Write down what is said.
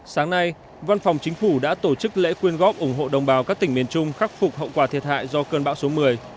sáng nay văn phòng chính phủ đã tổ chức lễ quyên góp ủng hộ đồng bào các tỉnh miền trung khắc phục hậu quả thiệt hại do cơn bão số một mươi